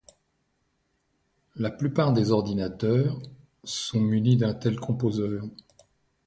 La plupart des ordinateurs sont munis d’un tel composeur.